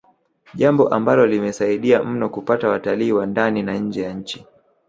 Jambo ambalo limesaidia mno kupata watalii wa ndani na nje ya nchi